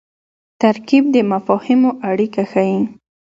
ترکیب د مفاهیمو اړیکه ښيي.